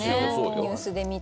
ニュースで見て。